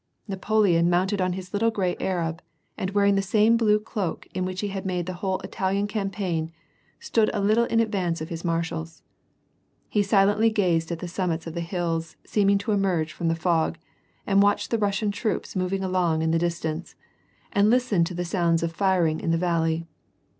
Napoleon mounted on his little gray Arab, and wearing tiie same blue cloak in which he had made the whole Italian cam paign, stood a little in jidvance of his marshals. He silently gazed at the summits of the hills seeming to emerge from the fog and watched the Russian troops moving along in the dis tance, and listened to the sounds of firing in the valley.